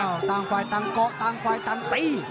เอ้าต่างควัยต่างเหกะต่างควัยนี่